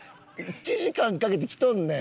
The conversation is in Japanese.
１時間かけて来とんねん。